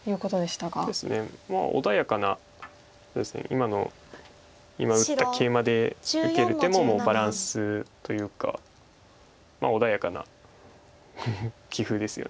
今の今打ったケイマで受ける手ももうバランスというか穏やかな棋風ですよね。